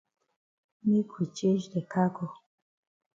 Make we change de cargo.